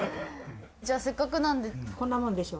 じゃあせっかくなんで。こんなもんでしょ。